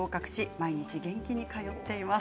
毎日元気に通っています。